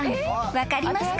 分かりますか？］